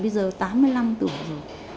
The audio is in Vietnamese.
bây giờ tám mươi năm tuổi rồi